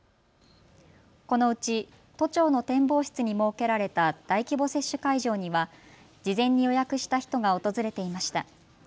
このうち都庁の展望室に設けられた大規模接種会場には事前に予約した人が訪れていました。